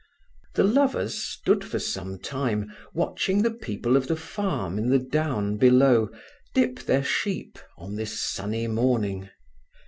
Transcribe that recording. The lovers stood for some time watching the people of the farm in the down below dip their sheep on this sunny morning.